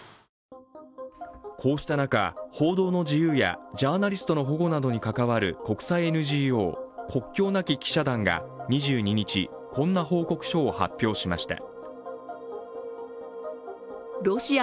こうした中、報道の自由やジャーナリストの保護などに関わる国際ＮＧＯ、国境なき記者団が２２日、こんな報告書を発表しました。